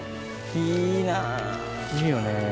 いいよね。